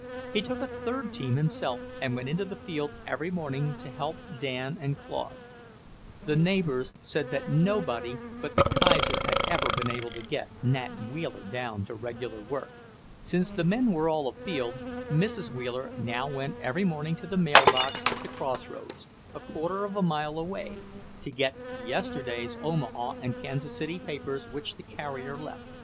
He took a third team himself and went into the field every morning to help Dan and Claude. The neighbours said that nobody but the Kaiser had ever been able to get Nat Wheeler down to regular work. Since the men were all afield, Mrs. Wheeler now went every morning to the mailbox at the crossroads, a quarter of a mile away, to get yesterday's Omaha and Kansas City papers which the carrier left.